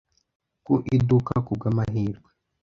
ku iduka ku bw'amahirwe.